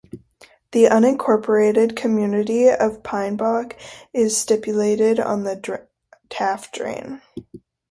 The unincorporated community of Pinnebog is situated on the Taft Drain.